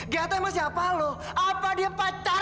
gaya tau emang siapa lo apa dia pacar lo hah